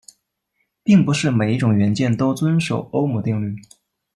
并不是每一种元件都遵守欧姆定律。